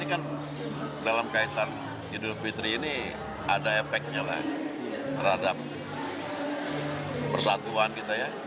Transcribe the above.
ini kan dalam kaitan idul fitri ini ada efeknya lah terhadap persatuan kita ya